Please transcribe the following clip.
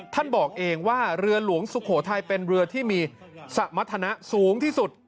บอกเองว่าเรือหลวงสุโขทัยเป็นเรือที่มีสมรรถนะสูงที่สุด